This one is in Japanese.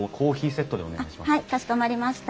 はいかしこまりました。